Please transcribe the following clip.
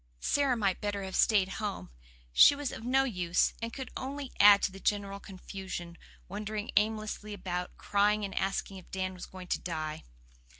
Sara might better have stayed home; she was of no use, and could only add to the general confusion, wandering aimlessly about, crying and asking if Dan was going to die.